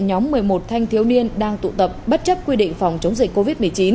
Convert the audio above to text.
nhóm một mươi một thanh thiếu niên đang tụ tập bất chấp quy định phòng chống dịch covid một mươi chín